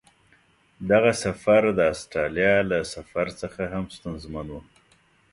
دغه سفر د استرالیا له سفر څخه هم ستونزمن و.